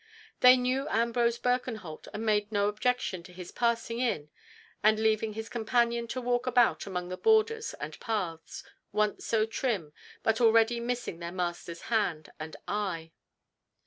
They knew Ambrose Birkenholt, and made no objection to his passing in and leaving his companion to walk about among the borders and paths, once so trim, but already missing their master's hand and eye.